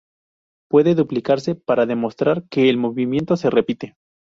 Pueden duplicarse para demostrar que el movimiento se repite.